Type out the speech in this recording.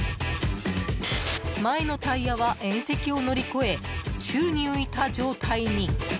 前のタイヤは縁石を乗り越え宙に浮いた状態に。